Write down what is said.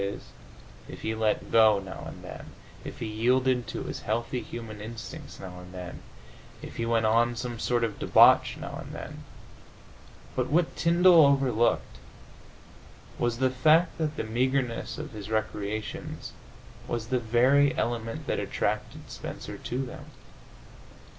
_, if he let go now and then, if he yielded to his healthy human instincts now and then, if he went on some sort of debauch now and then. But what Tyndall overlooked was the fact that the meagreness of his recreations was the very element that attracted Spencer to them.